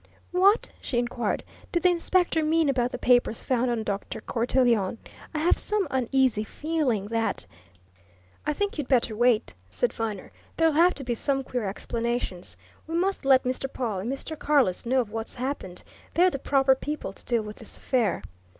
"What," she inquired, "did the inspector mean about the papers found on Dr. Cortelyon? I have some uneasy feeling that " "I think you 'd better wait," said Viner. "There'll have to be some queer explanations. We must let Mr. Pawle and Mr. Carless know of what's happened they're the proper people to deal with this affair."